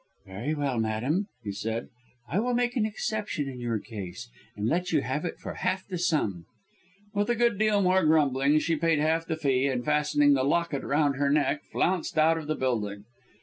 "Very well, madam," he said, "I will make an exception in your case, and let you have it for half the sum." With a good deal more grumbling she paid the half fee, and, fastening the locket round her neck, flounced out of the building.